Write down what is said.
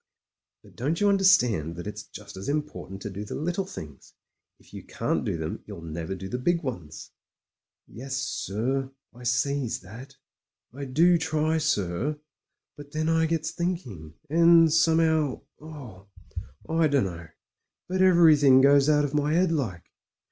... "But don't you understand that it's just as im portant to do the little things? If you can't do them, you'll never do the big ones." "Yes, sir — ^I sees that; I do try, sir, and then I gets thinking, and some'ow;— oh 1 1 dunno— but every 66 ■ MEN, WOMEN AND GUNS thing goes out of my head like.